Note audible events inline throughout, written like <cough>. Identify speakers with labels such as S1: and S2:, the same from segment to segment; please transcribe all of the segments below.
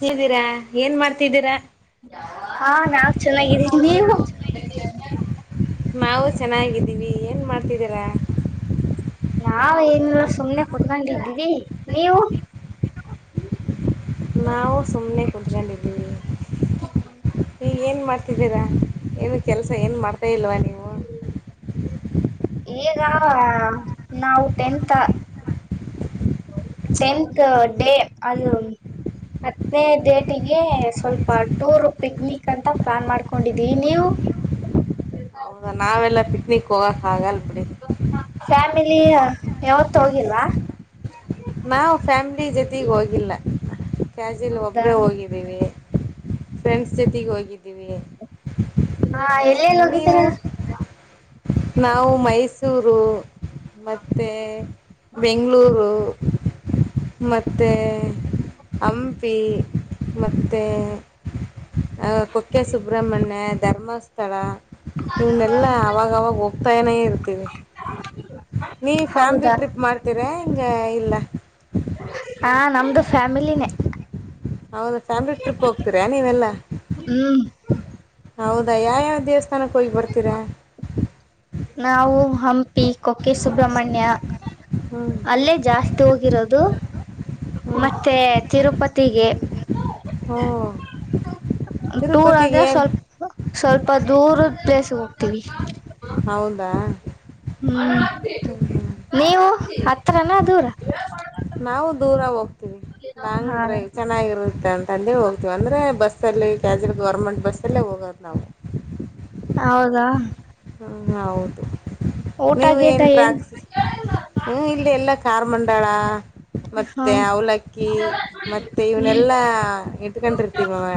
S1: ಹೇಗಿದ್ದೀರಾ ಏನ್ ಮಾಡ್ತಿದ್ದೀರಾ
S2: ಹಾ ನಾವ್ ಚೆನ್ನಾಗಿದ್ದೀವ್ ನೀವು? <unintelligible>
S1: ನಾವು ಚೆನ್ನಾಗಿದ್ ದಿವಿ ಏನ್ ಮಾಡ್ತಿದ್ದೀರಾ?
S2: ನಾವ್ ಏನಿಲ್ಲ ಸುಮ್ನೆ ಕುತ್ಕಂಡಿದ್ವೀ ನೀವು?
S1: ನಾವು ಸುಮ್ನೆ ಕುಂತ್ಕಂಡಿದೀವಿ, ಈಗೇನ್ ಮಾಡ್ ತಿದಿರಾ ಏನಕ್ ಕೆಲ್ಸ ಏನ್ ಮಾಡ್ತಾ ಇಲ್ವಾ ನೀವು?
S2: ಈಗಾ ನಾವು ಟೆಂತಾ ಟೆಂತ್ ಡೇ ಅದು ಹತ್ನೇ ಡೇಟಿಗೆ ಸ್ವಲ್ಪ ಟೂರು ಪಿಕ್ನಿಕ್ ಅಂತ ಪ್ಲಾನ್ ಮಾಡ್ಕೊಂಡಿದೀವಿ ನೀವು?
S1: ಹೌದಾ ನಾವೆಲ್ಲ ಪಿಕ್ನಿಕ್ ಕೋಗಕಾಗಲ್ ಬಿಡಿ.
S2: ಮಿಲೀಯಾ ಯಾವತ್ತು ಹೋಗಿಲ್ವಾ?
S1: ನಾವ್ ಫ್ಯಾಮಿಲಿ ಜೊತೀಗ್ ಹೋಗಿಲ್ಲ. ಕ್ಯಾಜಲಿ
S2: ಹೌದಾ
S1: ಇಬ್ರೆ ಹೋಗಿದೀವಿ. ಫ್ರೆಂಡ್ಸ್ ಜೊತೆಗೆ ಹೋಗಿದ್
S2: <unintelligible> ಹಾ ಎಲ್ ಎಲ್ಲಿ ಹೋಗಿದಿರ.
S1: ನೀವು ನಾವು ಮೈಸೂರು ಮತ್ತೆ ಬೆಂಗ್ಳೂರು ಮತ್ತೆ ಹಂಪಿ ಮತ್ತೆ ಹ ಕುಕ್ಕೆ ಸುಬ್ರಹ್ಮಣ್ಯ ಧರ್ಮಸ್ಥಳ ಇವನ್ನೆಲ್ಲಾ ಅವಗವಗ ಹೋಗ್ತನೆ ಇರ್ತೀವಿ <unintelligible> ನೀವ್ ಫ್ಯಾಮ್ಲಿ
S2: ಹೌದಾ
S1: ಟ್ರಿಪ್ ಮಾಡ್ತೀರ ಹೆಂಗ ಇಲ್ಲ.
S2: ಹಾ ನಮ್ದು ಫ್ಯಾಮಿಲಿನೇ.
S1: ಹೌ ಫ್ಯಾಮಿಲಿ ಟ್ರಿಪ್ ಹೋಗ್ತೀರಾ ನೀವೆಲ್ಲ.
S2: ಹ್ಮ್
S1: ಹೌದಾ ಯಾವ್ ಯಾವ್ ದೇವಸ್ಥ
S2: <unintelligible> ನಾವು ಹಂ ಪಿ ಕುಕ್ಕೆ ಸುಬ್ರಹ್ಮಣ್ಯ.
S1: ಹ್ಞೂ
S2: ಅಲ್ಲೇ ಜಾಸ್ ತುಗಿರೋದು
S1: ಹ್ಞೂ
S2: ಮತ್ತೆ ತಿರುಪತಿಗೆ
S1: ಹೂ
S2: ಟೂರ್ ಅಂದ್ರೆ ಸ್ವಲ್ ಸ್ವಲ್ಪ ಪ ದೂರದ್ ಪ್ಲೇಸ್ಗೆ ಹೋಗ್ತೀವಿ. <unintelligible>
S1: ಹೌದಾ
S2: ಹ್ಮ್ ನೀವು ಹತ್ರನ ದೂರ
S1: ನಾವು ದೂರ ಹೋಗ್ತೀವಿ ಲಾಂಗ್ ಡ್ರೈವ್
S2: ಹ
S1: ಚೆನ್ನಾಗಿರುತ್ತೆ ಅಂತ್ ತಂದೆ ಹೋಗ್ತೀವಿ ಅಂದ್ರೆ ಬಸ್ಸಲ್ಲಿ ಕ್ಯಾಜಲ್ ಗೌರ್ಮೆಂಟ್ ಬಸ್ಸಲ್ಲೇ ಹೋಗೋದು ನಾವು.
S2: ಹೌದ
S1: ಹ ಹೌದು.
S2: ಊಟ
S1: ನೀವು
S2: ಗೀಟ
S1: ಏನ್ ಟ್ರಾನ್ಸ್ <unintelligible> ಹ ಇಲ್ ಎಲ್ಲಾ ಕಾರ್ ಮಂಡ್ ಪೇಳ
S2: ಹ
S1: ಮತ್ತೆ ಅವಲಕ್ಕಿ ಮತ್ತೆ
S2: ಹ್ಮ್
S1: ಇವನ್ನಲ್ಲಾ ಇಟ್ಕೊಂಡಿರ್ತೀವಿ ಮ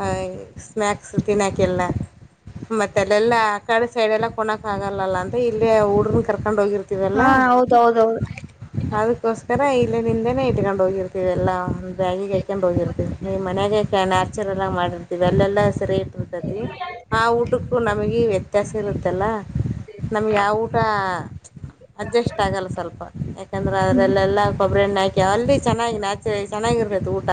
S1: ಹಯ್ ಸ್ನಾಕ್ಸ್ ತಿನ್ನಾಕಿಲ್ಲ ಮತ್ ಅಲ್ಲೆಲ್ಲ ಕಡೆ ಸೈಡ್ ಎಲ್ಲ ಕುಣೋಕ್ ಆಗಲಲ ಅಂತ ಇಲ್ಲೆ ಹುಡ್ಗುರ್ನ್ ಕರ್ಕೊಂಡ್ ಹೋಗಿರ್
S2: ಹಾ ಹೌದೌದೌ
S1: ಕೋಸ್ಕರ ಇಲ್ಲ ನಿಂದೇನೆ ಇಟ್ಕೊಂಡು ಹೋಗಿರ್ತೀವಿ ಎಲ್ಲಾ ಬ್ಯಾಗಿಗೆ ಕೆಂಡ ಹೋಗಿರ್ತಿವಿ ಹೂಂ ಮನೆಯಾಗ ಹಾಚರ್ ಎಲ್ಲ ಮಾಡಿರ್ತೀವಿ ಅಲ್ಲೆಲ್ಲ ಸರಿ ತ ಆ ಊಟಕ್ಕೂ ನಮಗೆ ವ್ಯ ತ್ಯಾಸ ಇರುತ್ತೆಲ್ಲ ನಮ್ಗೆ ಆ ಊಟ ಹಾ ಅಡ್ಜಸ್ಟ್ ಆಗಲ್ಲ ಸ್ವಲ್ಪ ಯಾಕಂದ್ರೆ
S2: ಹ್ಮ್
S1: ಅದ್ರಲ್ಲೆಲ್ಲಾ ಕೊಬ್ರೆಣ್ಣೇ ಹಾಕಿ ಅಲ್ಲಿ ಚೆನ್ನಾಗಿ ನಾ ಚೆನ್ನಾಗಿರ್ತತಿ ಊಟ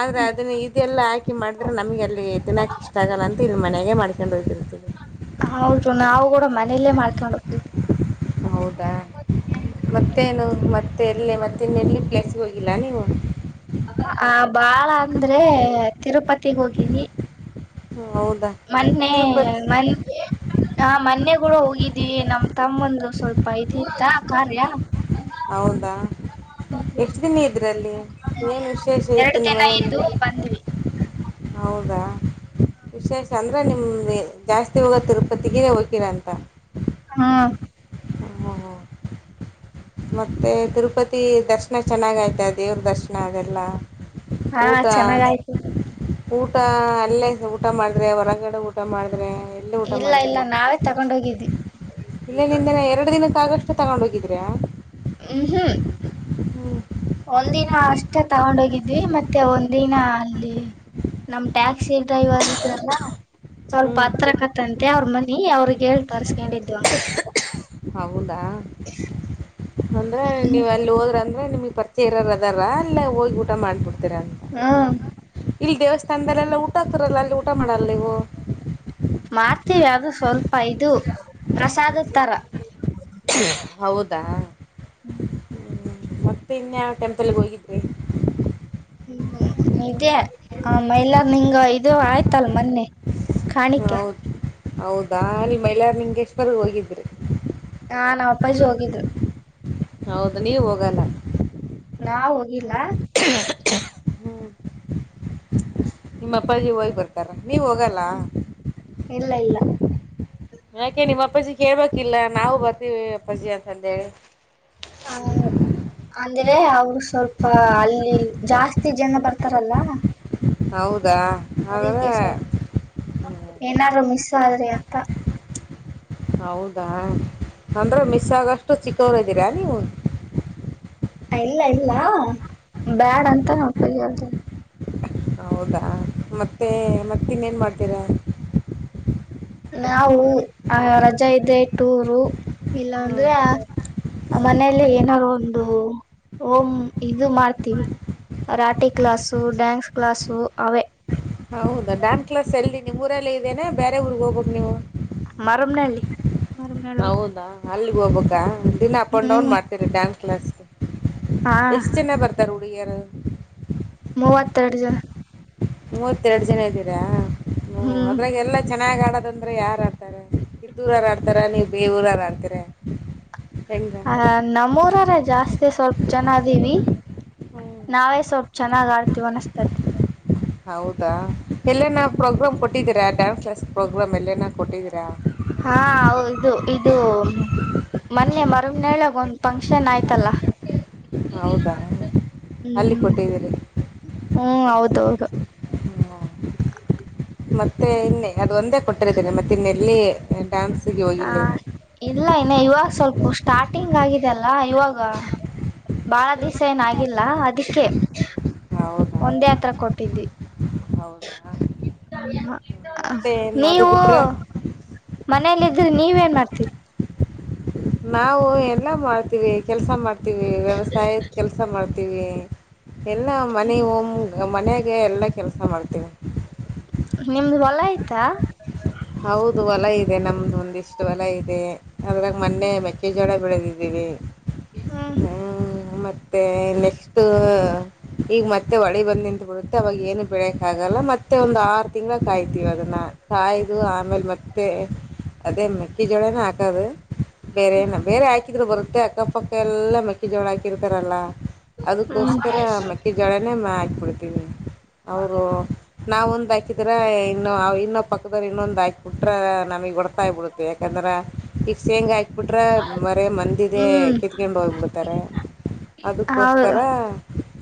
S1: ಆದ್ರೆ ಅದನ್ನ ಇದೆಲ್ಲ ಹಾಕಿ ಮಾಡಿದ್ರೆ ನಮಗೆ ಅಲ್ಲಿ ತಿನ್ನಾಕ ಇಷ್ಟ ಆಗಲ್ಲ ಅಂತ ಇಲ್ಲಿ ಮನ್ಯಾಗ ಮಾಡ್ ಕೆಂಡೋಗಿರ್ತದ
S2: ಹೌದು ನಾವು ಗುಡ ಮನೇಲ್ಲೇ ಮಾಡ್ಕೊಂಡ ಹೊಕ್ಕಿವಿ
S1: ಮತ್ತೆಲ್ಲಿ ಮತ್ತ ಇನ್ನ ಎಲ್ಲಿ ಪ್ಲೇಸ್ಗೆ ಹೋಗಿಲ್ಲ ನೀವು
S2: ಹ ಬಾಳ ಅಂದ್ರೆ ತಿರುಪತ್ ತಿ ಹೋಗಿವಿ
S1: ಹ್ಮ್, ಹೌದಾ
S2: ಮೊನ್ನೆ
S1: ತಿರುಪತಿ
S2: ಮ ಆ ಮೊನ್ನೆ ಕೂಡ ಹೋಗಿದ್ವಿ ನಮ ತಮ್ಮಂದು ಸ್ವಲ್ಪ ಇದ ಇತ್ತ ಕಾರ್ಯ
S1: ಹೌದಾ ಎಷ್ಟ ದಿನ ಇದ್ರಲ್ಲಿ ಏನ್ ವಿಶೇಷ ಇತ್ತು
S2: ಎರಡು ದಿನ
S1: ನಿಮ್ಮನೇಲ್ಲಿ
S2: ಇದ್ದು ಬಂದ್ವಿ
S1: ಹೌದಾ ವಿಶೇಷ ಅಂದ್ರೆ ನಿಮ್ದ ಜಾಸ್ತಿ ಹೋಗೋದು ತಿರುಪತಿಗೆ ಕಿರಂತ
S2: ಹಾ
S1: ಹಾಂ ಹಾಂ ಮತ್ತು ತಿರುಪತಿ ದರ್ಶನ ಚೆನ್ನಾಗೈತೆ ದೇವ್ರ ದರ್ಶನ ಅದೆಲ್ಲ
S2: ಹಾ
S1: ಊಟ
S2: ಚೆನ್ನಾಗ ಆಯ್ತು
S1: ಊಟ ಅಲ್ಲೇ ಊಟ ಮಾಡಿದ್ರೆ ಹೊರಗಡೆ ಊಟ ಮಾಡಿದ್ರೆ ಎಲ್ಲೇ ಊಟ
S2: ಇಲ್ಲ ಇಲ್ಲ
S1: ಮಾಡಿದ್ರಿ
S2: ನಾವೇ ತಗೊಂಡ್ ಹೋಗಿದ್ವಿ
S1: ಇಲ್ಲೇ ನಿಂದನ ಎರಡು ದಿನಕ್ಕಾಗಷ್ ತಗೊಂಡ್ ಹೋಗಿದ್ರಾ
S2: ಊ ಹೂಂ
S1: ಹ್ಮ
S2: ಒಂದಿನ ಅಷ್ಟೇ ತಗೊಂಡೋಗಿದ್ವಿ ಮತ್ತೆ ಒಂದಿನ ಅಲ್ಲಿ ನಮ್ ಟ್ಯಾಕ್ಸಿ ಡ್ರೈವರ್ ಇದ್ರಲ್ಲ ಸ್ವಲ್ಪ
S1: ಹ್ಞೂ
S2: ಹತ್ರ ಕತ್ತಂತೆ ಅವ್ರ ಮ ನೀ ಅವ್ರಗೆಳ್ ತರ್ಸ್ಕೊಂಡಿದ್ವಂಗ
S1: ಹೌದಾ ಅಂದ್ರೆ
S2: ಹ್ಮ್
S1: ನೀವು ಅಲ್ಲಿ ಹೋದ್ರ ನಿಮ್ಗ್ ಪರಿಚಯ ಇರೋರ್ ಅದಾರ ಅಲ್ಲ ಹೋಗಿ ಊಟ ಮಾಡ್ಬಿಡ
S2: ಹ್ಮ್
S1: ಇಲ್ ದೇವಸ್ಥಾನದಲ್ಲೆಲ್ಲಾ ಊಟ ಆಗ್ತರಲ್ಲ ಅಲ್ಲಿ ಊಟ ಮಾಡಲ್ಲ ನೀವು.
S2: ಮಾಡ್ತೀವಿ ಅದು ಸ್ವಲ್. ಐದು ಪ್ರಸಾದೋತ್ತರ.
S1: ಹೌದಾ.
S2: ಹ್ಮ್.
S1: ಮತ್ತಿನ ಯಾವ್ ಟೆಂಪಲ್ಗೋಗಿದ್ರಿ.
S2: ಹ್ಮ್ ಇದೇ. ಆ ಮೈಲರಲಿಂಗ ಇದು ಆಯ್ತಲ್ ಮೊನ್ನೆ. ಕಾಣಿಕೆ
S1: ಹೌದ್. ಹೌದಾ ನಿ ಮೈಲಾರ್ ಲಿಂಗೇಶ್ವರ ಹೋಗಿದ್ರಿ.
S2: ಹಾ ನಾವ್ ಅಪ್ಪಾಜಿ ಹೋಗಿದ್ರು
S1: ಹೌದು ನೀವ್ ಹೋಗಲ್ಲ.
S2: ಇಲ್ಲ.
S1: <unintelligible> ನಿಮ್ಮ ಅಪ್ಪಾಜಿ ಹೋಗ್ ಬರ್ತಾರ. ನೀವ್ ಹೋಗಲ್ಲ
S2: ಇಲ್ಲ ಇಲ್ಲ
S1: ಯಾಕೆ ನಿಮ್ಮ ಅಪ್ಪಜಿಗ್ ಕೇಳ್ಬೇಕ್. ಇಲ್ಲ ನಾವು ಬರ್ತೀವಿ ಅಪ್ಪಾಜಿ ಅಂತಂದೆಳಿ.
S2: ಹ ಅಲ್ಲ್. ಅೆ ಅವ್ರು ಸ್ವಲ್ಪ ಅಲ್ಲಿ ಜಾಸ್ತಿ ಜನ ಬರ್ತಾರಲ್ಲ.
S1: ಹೌದ್.
S2: ಅದೇ ಕಸರ್ ಏನಾರ ಮಿಸ್. ಆದ್ರೆ ಅಂತಾ.
S1: ಹೌದಾ ಅಂದ್ರೆ ಮಿಸ್ ಆಗಷ್ಟು ಚಿಕ್ಕವರ್ದೀರಾ ನೀವು.
S2: ಇಲ್ಲ ಇಲ್ಲ ಬ್ಯಾಡ್ ಅಂತ ನಂಪ್ಪಾಗ್ ಹೇಳ್ತಿನಿ.
S1: ಹೌದಾ ಮತ್ತೆ ಮತ್ತ ಇನ್ನೇನ್ ಮಾಡ್ತೀರಾ.
S2: ನಾವು ಆ ರಜೆ ಇದೆ ಟೂರು. ಇಲ್ಲ
S1: ಹ್ಞೂ
S2: ಅಂದ್ರೆ ಅ ಆ ಮನೇೆಯಲ್ಲಿ ಏನಾರ ಒಂದು ಓಮ್ ಇದು ಮಾಡ್ತೀವಿ ರಾಠಿ ಕ್ಲಾಸು ಡ್ಯಾನ್ಸ್ ಕ್ಲಾಸು ಅವೇ.
S1: ಹೌದಾ ಡಾನ್ಸ್ ಕ್ಲಾಸ್ ಎಲ್ಲಿ ನಿಮ್ ಊರಲ್ಲೇ ಇದ್ದೇನೆ ಬೇರೆ ಊರ್ ಹೋಗ್ಬೇಕ ನೀವು.
S2: ಮರಮ್ನಳ್ಳಿ ಮರಮ್ನಳ್ಳಿ
S1: ಹೌದಾ ಅಲ್ಲಿ ಹೋಗ್ಬಕ್ಕ ದಿನ ಅಪ್ ಅಂಡ್ ಡೌನ್
S2: ಹ್ಮ್
S1: ಮಾಡ್ತೀರಿ ಡ್ಯಾನ್ಸ್. ಕ್ಲಸ್
S2: ಹಾ
S1: ಎಷ್ಟ್ ಜನ ಬರ್. ತರಹುಡ್ಗಿರು.
S2: ಮೂವತ್ತೆರಡು ಜನ.
S1: ಮೂವತ್ತೆರಡು ಜನ ಇದ್ದೀರಾ. ಹ
S2: ಹ್ಮ್
S1: ಅದ್ರಾಗ ಎಲ್ಲಾ ಚೆನ್ನಾಗ್. ದಂದ್ರೆ ಯಾರ ಆಡ್ತಾರೆ ಇದ್ದೂರಾರ ಆಡ್ತಾರ ನೀವ ಬೇ ಊರಾರ ಆಡ್ತೀರ.
S2: ಹ ನಮ್ಮೂರಾರೆ ಜಾಸ್ತಿ ಸ್ವಲ್ಪ ಜನ ಅದೀವಿ.
S1: ಹ್ಞೂ
S2: ನಾವೇ ಸ್ವಲ್ಪ್ ಚೆನ್ನಾಗ್ ಆಡ್ತೀವ್ ಅನ್ನಸ್ತತಿ.
S1: ಹೌದಾ ಎಲ್ಲನ ಪ್ರೋಗ್ರಾಮ್ ಕೊಟ್ಟಿದ್ದೀರಾ? ಡ್ಯಾನ್ಸ್ ಲೆಸ್ ಪ್ರೋಗ್ರಾಮ್ ಎಲ್ಲನ ಕೊಟ್ಟಿದಿ
S2: ಹಾ ಹೌ ಇದು ಇದು ಮನ್ನೆ ಮ <unintelligible> ಒಂದ್ ಫಂಕ್ಷನ್ ಆಯ್ತಲ್ಲ.
S1: ಹೌದಾ ಅಲ್ಲಿ
S2: ಹ್ಮ್
S1: ಕೊಟ್ಟಿದ್ದೀರಿ
S2: ಹ್ಮ್ ಹೌದೌದು.
S1: ಮತ್ತೆ ಇನ್ನೆ ಅದು ಒಂದೇ ಕೊಟ್ಟಿರದೆನ ಮತ್ ಇನ್ನೆಲ್ಲಿ ಡಾನ್ಸ್
S2: ಹಾ ಇಲ್ಲ ಇನ್ ಇವಗ್ ಸ್ವಲ್ಪ ಸ್ಟಾರ್ಟಿಂಗ್ ಆಗಿದೆ ಅಲ್ಲ ಇವಗ್ ಹ ಬಾಳ ದಿಸ ಏನಾಗಿಲ್ಲ ಅದಿಕ್ಕೆ ಒಂದೇ ಅತ್ರ ಕೊಟ್ಟಿದ್ದಿ
S1: ಹೌದ
S2: ಹಾ ಹ ನೀವು
S1: <unintelligible>
S2: ಮನೇಲಿ ಇದ್ರಿ ನೀವ್ ಏನ್ ಮಾಡ್ತೀರಿ.
S1: ನಾವು ಎಲ್ಲ ಮಾಡ್ತೀವಿ ಕೆಲ್ಸ ಮಾಡ್ ತಿವಿ ವ್ಯವಸಾಯದ ಕೆಲ್ಸ ಮಾಡ್ ತಿವಿ ಎಲ್ಲ ಮನೆ ಹೋಮ್ ಮನೆಗೆ ಎಲ್ಲ ಕೆಲ್ಸ ಮಾಡ್ತೀನಿ.
S2: ನಿಮ್ದು ಹೊಲ ಐತ
S1: ಹೌದು ಹೊಲ ಇದೆ ನಮ್ದು ಒಂದಿಷ್ಟು ಹೊಲ ಇದೆ ಅದ್ರಾಗ ಮೊನ್ನೆ ಮೆಕ್ಕೆಜೋಳ ಬೆಳೆದಿದೀವಿ.
S2: ಹ್ಮ್
S1: ಮತ್ತೆ ನೆಕ್ಸ್ಟ್ ಟೂ ಈಗ್ ಮತ್ತೆ ಹೊಳಿ ಬಂದ್ ನಿಂತ್ ಬಿಡುತ್ತೆ ಅವಗ ಏನು ಬೆಳಕ್ ಆಗಲ್ಲ ಮತ್ತೆ ಒಂದ್ ಆರ್ ತಿಂಗಳ ಕಾಯ್ತಿವಿ ಅದನ್ನ ಕಾಯ್ ದು ಆಮೇಲೆ ಮತ್ತೆ ಅದೇ ಮೆಕ್ಕಿ ಜೋಳನ ಹಾಕದು. ಬೇರೆ ಏನಾ ಬೇರೆ ಹಾಕಿದ್ರು ಬರುತ್ ತ್ತೆ ಅಕ್ಕಪಕ್ಕ ಎಲ್ಲ ಮೆಕ್ಕಿ ಜೋಳ ಹಾಕಿರ್ತಾರಲ ಅದಕ್ಕೋಸ್ಕರ ಮೆಕ್ಕಿ ಜೋಳನೇ ಮ್ಯಾ ಆಕ್ಬಿಡ್ ತಾ ಅವರು ನಾವು ಒಂದ್ ಹಾಕಿದ್ರ ಇನ್ನು ಇನ್ನೊಂದ್ ಪಕ್ ಇನ್ನೊಂದ ಹಾಕಿಬಿಟ್ರ ನಮಗ್ ಹೊಡ್ತ ಬಿಳುತ್ತ ಯಾಕಂದ್ರ ಈಗ ಶೇಂಗ ಹಾಕಿ ಬಿಟ್ರ ಬರೆ ಮಂದಿದೆೇ
S2: ಹ್ಮ್
S1: ಕಿತ್ಕೊಂಡು ಹೋಗ್ಬಿಡ್ತಾರೆ
S2: ಹೌದು
S1: ಅದಕ್ಕೋಸ್ಕರ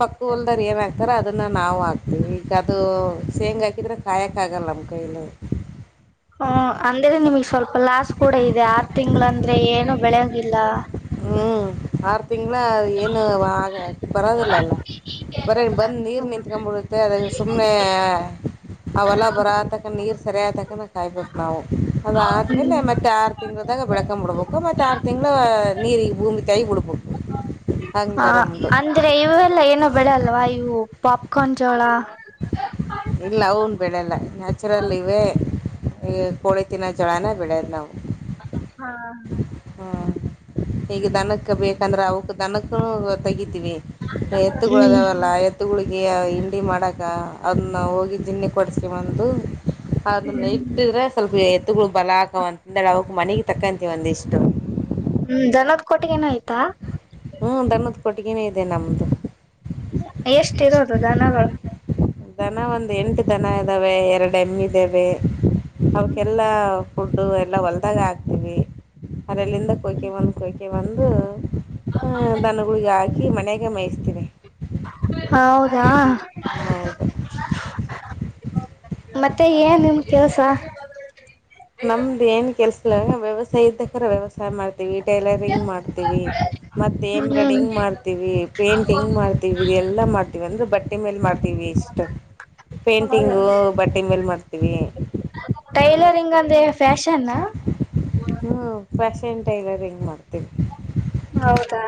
S1: ಪಕ್ಕ ಹೋಲಾದವ್ರ್ ಏನ್ ಹಾಕ್ತಾರ ಅದನ್ನ ನಾವ್ ಹಾಕ್ತೆವಿ ಈಗ ಹೂ ಶೇಂಗ ಹಾಕಿದ್ರೆ ಕಾಯಕ್ ಆಗಲ್ಲ ನಮ್ ಕೈಲೇ <unintelligible> ಹ <inaudible>
S2: ಹಾ ಅಂದ್ರೆ ನಿಮಗ್ ಸ್ವಲ್ಪ ಲಾಸ್ ಕೂಡ ಇದೆ ಆರ್ ತಿಂಗಳಂದ್ರೆ ಏನು ಬೆಳೆ <unintelligible> ಇಲ್ಲ <unintelligible>
S1: ಹ್ಮ ಆರ್ <unintelligible> ತಿಂಗ್ಳಾ ಏನು ಆ ಬರದಿಲ್ಲ ಅಲ್ಲ ಬರೆ ಬಂದ ನೀರು
S2: ಹ್ಮ್.
S1: ನಿಂತ್ ಕಂಡ್ ಬಿಡುತ್ತೆ ಅದ ಸುಮ್ನೆ ಆ ಹೊಲ ಬರ ತಕ್ಕ ನೀರ್ <unintelligible> ಸರಿಯಾತಕನ ಕಾಯಬೇಕು ನಾವು <unintelligible> ಅದಾದ್ಮೇಲೆ ಮತ್ತೆ ಆರು ತಿಂಗ್ಳದಾಗ ಬೆಳಕಂಡು ಬಿಡ್ಬೇಕು ಮತ್ತೆ ಆರು ತಿಂಗಳ <unintelligible>
S2: ಹಾ
S1: ಹಂಗಾರ ಮುಂದು
S2: ಅಂದ್ರೆ ಇವೆಲ್ಲ ಏನ ಬೆಳೆಲ್ವಾ ಇವು ಪಾಪ <unintelligible> ಕೊಂಜಳ <unintelligible>
S1: ಇಲ್ಲ ಅವು ನ್ ಬೆಳೆಯಲ್ಲ ನ್ಯಾಚುರಲ್ ಇವೆ ಈ ಕೋಳಿ ತಿನ್ನ ಜೋಳಾನೇ ಬೆಳೆಯದ ನಾವು <unintelligible>
S2: ಹಾ <unintelligible>
S1: ಹ ಈಗ ದನಕ್ಕೆ ಬೇಕಂದ್ರ ಅವಕ್ಕ ದನಕ್ಕೂ ತೆಗೀತಿ <unintelligible>
S2: ಹ್ಮ್
S1: ಎತ್ತುಗಳದಾವಲ್ಲ ಎತ್ತುಗಳಿಗೆ <unintelligible> ಹಿಂಡಿ ಮಾಡಾಕ್ ಗ ಅದನ್ನ ಹೋಗಿ ಜಿನ್ನಕ್ ಒಡಿಸ್ಕೊಂಡ್ ಬಂದು <unintelligible> ಅದನ್ನ ಇಟ್ಟಿದ್ರೆ ಸ್ವಲ್ಪ ಎತ್ತುಗಳು ಬಲ ಹಾಕ ಅಂತದ ಅವ <unintelligible> ಮನೆಗೆ ತಕ್ಕಂತೀವಿ ಒಂದಿಷ್ಟು <unintelligible>
S2: ಹ್ಮ್ ದ ನದ್ ಕೋಟ್ಟಿಗೇನು ಐತಾ <unintelligible>
S1: ಹ್ಮು ದನದ ಕೊಟ್ಟಿಗೇನು ಇದೆ ನಮ್ದು <unintelligible>
S2: ಎಷ್ಟು ಇರೋದು ದನಗಳು <unintelligible>
S1: ದನ ಒಂದ್ ಎಂಟು ದನ ಇದಾವೆ ಎರಡು ಎಮ್ಮಿ ಇದಾವೆ <unintelligible> ಅವಕ್ಕೆಲ್ಲಾ <unintelligible> ಫುಡ್ಡು ಎಲ್ಲಾ ಹೊಲ್ದಾಗ ಹಾಕ್ತಿವಿ <unintelligible> ಅದ್ರಾಲಿಂದ ಕೊಯ್ಕೊಂಡ್ ಬಂದ್ ಕೊಯ್ಕೆ ಬಂ ಬಂದು ಆ ದನಗುಳಿಗೆ ಹಾಕಿ ಮನ್ಯಾಗ ಮೇಯಿಸ್ತೀವಿ
S2: ಹೌದಾ <unintelligible>
S1: ಹ ಹೌದು <unintelligible>
S2: ಮತ್ತೆ ಏನ್ ನಿಮ ಕೆಲ್ಸ <unintelligible>
S1: ನಮ್ದ ಏನ್ ಕೆಲ್ಸ? ಇಲ್ಲ ವ್ಯವಸಾಯ ಇದಕ ವ್ಯವಸಾಯ ಮಾಡ್ತ ಟೈಲರಿಂಗ್ ಮಾಡ್ತೀವಿ, ಮತ್ತೆ
S2: ಹ್ಮ್.
S1: ಎಮ್ರೈಡಿಂಗ್ ಮಾಡ್ತೀವಿ, ಪೇಂಟಿಂಗ್ ಮಾಡ್ತೀವಿ ಇದ ಎಲ್ಲಾ ಮಾಡ್ತೀವಿ ಅಂದ್ರೆ ಬಟ್ಟೆ ಮೇಲ್ ಮಾಡ. ಮಾಡ್ತೀವಿ ಇಷ್ಟ.
S2: ಹೌದ
S1: ಪೇಂಟಿಂಗು ಬಟ್ಟೆ ಮೇಲ್ ಮಾಡ್ತವಿ.
S2: ಅದೇ ಫ್ಯಾಷನ್?
S1: ಹ್ಞೂ ಫ್ಯಾಷನ್ ಟೈಲರಿಂಗ್ ಮಾಡ್ತೀವಿ.
S2: ಹೌದಾ?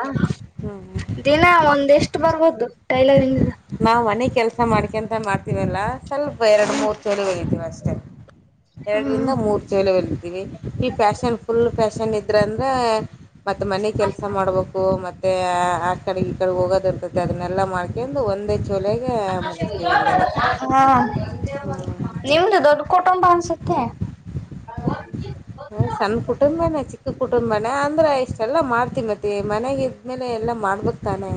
S1: ಹ್ಞೂ
S2: ದಿನ ಒಂದ್ ಎಷ್ಟು ಬರ್ಬೋದು? ಟೈಲರಿಂಗ್ ಗ
S1: ನಾವ್ ಮನೆ ಕೆಲ್ಸ ಮಾಡಕಂತ ಮಾಡ್ತೀವಲ್ಲಾ. ಸ್ವಲ್ಪ ಎರಡು ಮೂರು ಚೂಡಿ ಇದ್ವ ಅಷ್ಟೇ. ಸ್ಟೆಪ್ ಎರಡರಿಂದ
S2: ಹ್ಮ್
S1: ಮೂರ್ ಚೋಲಿ ಹೋಲಿತೀವಿ ಈ ಫ್ಯಾಷನ್ ಫುಲ್ ಫ್ಯಾಷಾ ಷನ್ ಇದ್ರ ಅಂದ್ರ ಮತ್ತ ಮನೆ ಕೆಲ್ಸ ಮಾಡ್ಬೇಕು. ಮತ್. ಆ ಆಕಡಿ ಇಕಡಿ ಹೋಗದ. ರ್ತೈತಿ ಅದನೆಲ್ ಕ್ಕೆಂದು ಒಂದ ಹೆಚ್ಚ <unintelligible>
S2: <unintelligible> ಹಾ
S1: ಹ್ಞೂ
S2: ನಿಮ್ದ ದೊಡ್. ಕಂಬ ಅನ್ಸುತ್ತೆ. <unintelligible>
S1: ಹ ಸಣ್ಣ ಕುಟುಂಬನೇ ಚಿಕ್ಕ ಕುಟುಂಬನೇ ಅಂದ್ರೆ, ಇಷ್ಟೆಲ್ಲ ಮಾಡ್ತಿ ಮತ್ತೆ ಮನೆಗ ಇದ್ಮೇಲೆ ಎಲ್ಲಾ ಮಾಡ್ಬೇಕ್ತಾನೇ?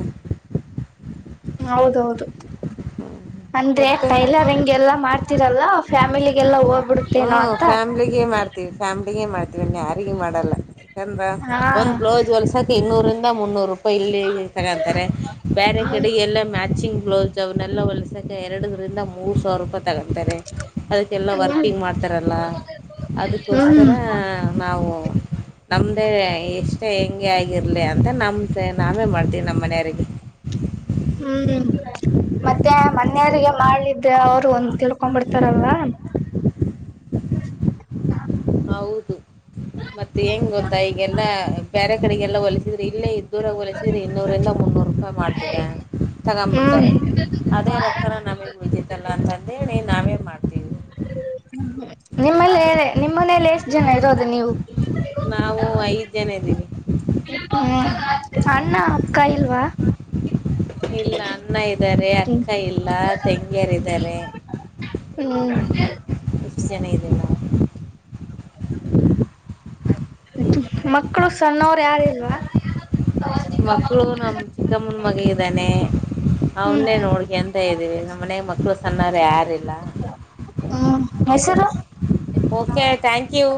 S2: ಹೌದೌದು. ಅಂದ್ರೆ
S1: ಮತ್ತೆ
S2: ಟೈಲರ್ ಹಿಂಗೆ ಎಲ್ಲಾ ಮಾಡ್ತೀರಲ್ಲ ಫ್ಯಾಮಿಲಿ ಎಲ್ಲೊ ಹೋಗ
S1: ಹ್ಮ ಫ್ಯಾಮ್ಲಿಗೆ ಮಾಡ್ತೀವಿ ಫ್ಯಾಮ್ ಗೆ ಮಾಡ್ತೀವಿ ಇನ್ನ ಯಾರಿಗಿ ಮಾಡಲ್ಲ. <unintelligible>
S2: ಹಾ
S1: ಒಂದ್ ಬ್ಲೌಸ್ ಹೊಲಸಾಕ್ಕ ಇನ್ನೂರ ದ ಮುನ್ನೂರು. ಇಲ್ಲಿ ತಗೊಂತಾರೆ ಬ್ಯಾರೆ
S2: ಹ್ಮ್
S1: ಕಡಿ ಎಲ್ಲ ಮ್ಯಾಚಿಂಗ್ ಗ್ಲೌ ಜನೆಲ್ಲ ಹೊಲಸಕ ಎರಡದರಿಂದ ಮೂರು ಸಾವಿರ ರೂಪಾಯಿ. ತಗೊಂತಾರೆ ಅದಕ್ಕೆಲ್ಲ ವರ್ಕ್ ಕುಿಂಗ್ ಮಾಡ್ತಾರಲ್ಲ ಅದೋಸ್ಕರ
S2: ಹ್ಮ್
S1: ನಾವು ನ ಅ ಇಷ್ಟ ಹೆಂಗೆ ಆಗಿರ್ಲಿ ಅಂತ ನಮ ನಾವೇ ಮಾಡ್ತೀವಿ ನಮ್ಮ ಮನೆಯವ್ರಿಗೆ
S2: ಹ್ಮ್ ಮತ್ತೆ ಮನೆಯವಿಗೆ ಮಾಡಲಿದೆ ಅವರು ಒಂದು ತಿಳ್ಕೊಂಡ್ ಬಿಡ್ತಾರಲ್
S1: ಹೌದು ಮತ್ತೆ ಏನ್ ಗೊತ್ತಾ ಈಗೆಲ್ಲ ಬರೆ ಕಡೆಗೆಲ್ಲ ಹೊಲಿದ್ರ ಇಲ್ಲೇ ಇದ್ದೂರಾಗ ಹೊಲಿಸಿದ್ರಿ ಇನ್ನೂರಿಂದ ಮುನ್ನೂರು ರೂಪಾಯಿ ಮಾಡ್ತೀವೆ ತಗೊಂಡು ಬಿಡ್ತಾರ
S2: ಹ್ಮ್
S1: ಅದೇ ರೊಕ್ಕ ನಮಗ್ ಉಳಿತಲ್ಲ ಅಂತಂದೇಳಿ ನಾವೇ ಮಾಡ್ತೀವಿ
S2: ಮೇಲೆ ಎಷ್ಟು ಜನ ಇರೋದು ನೀವು
S1: ಜನಇದೀವಿ
S2: ಕಾಯಿಲ್ವಾ
S1: ಇಲ್ಲ ಅನ್ನ ಇದ್ದಾರೆ ಅಕ್ಕ ಇಲ್ಲ ತೆಂಗ್ಯಾರಾರೆ
S2: ಹ್ಮ್
S1: ಇಷ್ಟ ಜನ ಇದೇವೆ ನಾವು
S2: ಮಕ್ಕಳು ಸಣ್ಣವರು ಯಾರ ಇಲ್ವಾ
S1: ಮಕ್ಕಳು ನಮ ಚಿಕ್ಕಮ್ಮನ ಮಗ ಇದ್ದಾನೆ
S2: ಹ್ಮ್
S1: ಅವನ್ನೇ ನೋಡ್ಕ ಎಂತ ಇದೀವಿ ನಮ್ಮ ಮನಾಗ ಮಕ್ಕಳು ಸಣ್ಣಾರ ಯಾರಿಲ್ಲ
S2: ಹ್ಮ್ ಹೆಸರು
S1: ಓಕೆ ಥ್ಯಾಂಕ್ ಯು